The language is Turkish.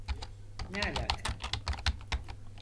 Ne alaka?